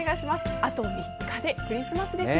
あと３日でクリスマスですね。